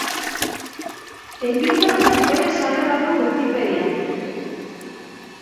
Einbinderrek bere sarrera du Wikipedian.